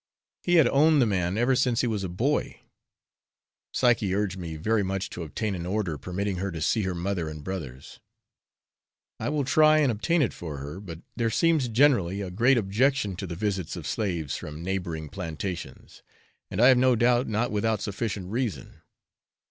He had owned the man ever since he was a boy. Psyche urged me very much to obtain an order permitting her to see her mother and brothers. I will try and obtain it for her, but there seems generally a great objection to the visits of slaves from neighbouring plantations, and, I have no doubt, not without sufficient reason.